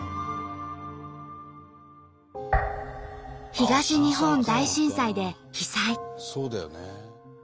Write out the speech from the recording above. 東日本大震災で被災。